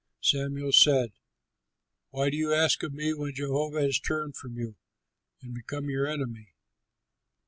Samuel said, "Why do you ask of me when Jehovah has turned from you and become your enemy?